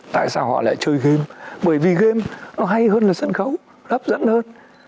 tại sao họ lại chơi game bởi vì game nó hay hơn là sân khấu hấp dẫn hơn